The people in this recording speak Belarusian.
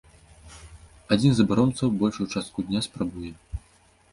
Адзін з абаронцаў большую частку дня спрабуе!